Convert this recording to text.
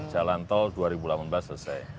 jalan tol dua ribu delapan belas selesai